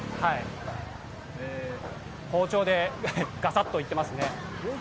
包丁でがさっといっていますね。